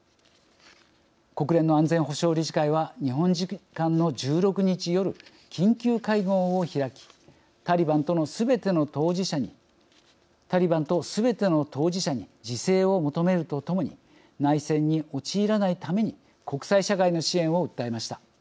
国連の安全保障理事会は日本時間の１６日夜緊急会合を開きタリバンとのすべての当事者に自制を求めるとともに内戦に陥らないために国際社会の支援を訴えました。